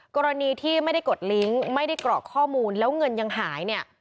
กรณีที่ไม่ได้กดลิงก์ไม่ได้กรอกข้อมูลแล้วเงินยังหายเนี่ย